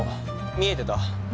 見えてた？